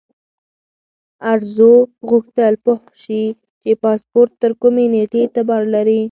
ارزو غوښتل پوه شي چې پاسپورت تر کومې نیټې اعتبار لري.